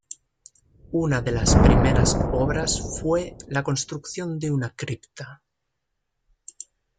Una de las primeras obras fue la construcción de una Cripta.